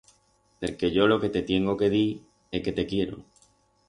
Perque yo lo que te tiengo que dir é que te quiero.